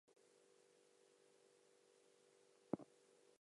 Data is contained in packets consisting of a header and eight data bytes.